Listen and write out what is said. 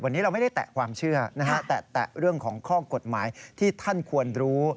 วันนี้เราไม่ได้แตะความเชื่อนะฮะแตะเรื่องของข้อกฎหมายที่ท่านควรรู้